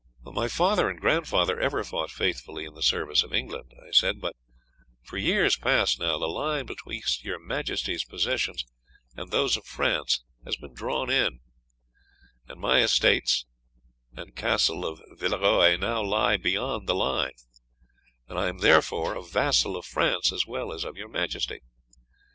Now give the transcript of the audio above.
"'My father and grandfather ever fought faithfully in the service of England,' I said; 'but for years past now, the line betwixt your majesty's possessions and those of France has been drawn in, and my estates and Castle of Villeroy now lie beyond the line, and I am therefore a vassal of France as well as of your majesty.